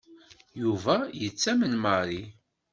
Yuba yettamen Mary.